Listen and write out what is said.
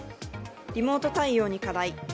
リモート対応に課題。